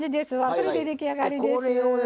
それで出来上がりです。